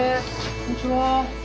・こんにちは。